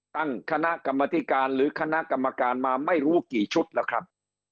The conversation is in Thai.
ตั้งคณะกรรมธิการหรือคณะกรรมการมาไม่รู้กี่ชุดแล้วครับ